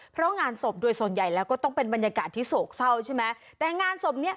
เพราะงานศพโดยส่วนใหญ่แล้วก็ต้องเป็นบรรยากาศที่โศกเศร้าใช่ไหมแต่งานศพเนี้ย